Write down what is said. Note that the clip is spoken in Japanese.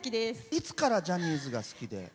いつからジャニーズが好きで？